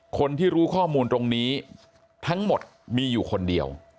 คนที่รู้ข้อมูลตรงนี้ทั้งหมดมีอยู่คนเดียว